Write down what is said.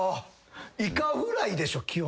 イカフライでしょ基本。